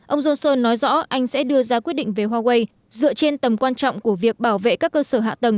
ông đã đưa ra quyết định về huawei dựa trên tầm quan trọng của việc bảo vệ các cơ sở hạ tầng